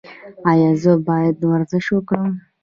ایا زه باید ورزش وکړم؟